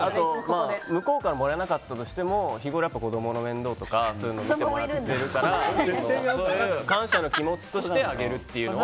向こうからもらえなかったとしても日ごろ、子供の面倒とか見てもらってるからそういう感謝の気持ちとしてあげるというのは。